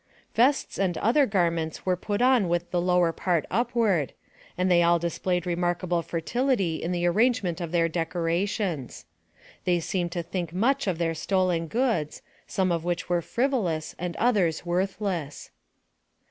Vests and other garments were put on with the lower part upward; and they all displayed remarkable fertility in the arrangement of their decorations. They seemed to think much of their stolen goods, some of which were frivolous, and others worthless.